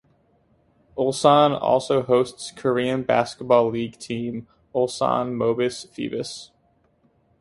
Ulsan also hosts Korean Basketball League team Ulsan Mobis Phoebus.